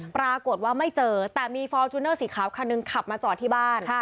ปรากฏว่าไม่เจอแต่มีฟอร์จูเนอร์สีขาวคันหนึ่งขับมาจอดที่บ้าน